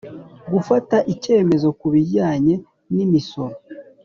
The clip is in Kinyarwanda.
Gufata icyemezo ku bijyanye n imisoro